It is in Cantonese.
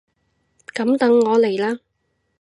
噉等我嚟喇！